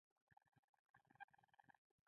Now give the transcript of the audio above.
میرويس وپوښتل ټول څو کسان دي وژل شوي؟